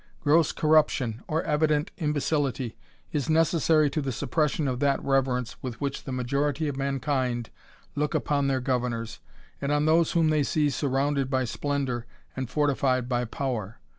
Gross corruption, or evident imbecility, is '^^ Pessary to the suppression of that reverence with which ^^^ majority of mankind look upon their governors, and on ^^Ose whom they see surrounded by splendour, and "^^*^ed by power.